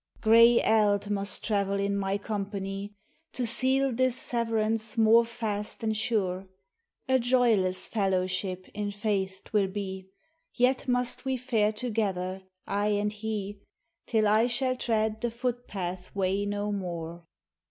Gray Eld must travel in my company To seal this severance more fast and sure. A joyless fellowship, i' faith, 't will be, Yet must we fare together, I and he, Till I shall tread the footpath way no more.